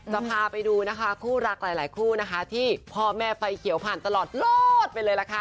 จะพาไปดูนะคะคู่รักหลายคู่นะคะที่พ่อแม่ไฟเขียวผ่านตลอดรอดไปเลยล่ะค่ะ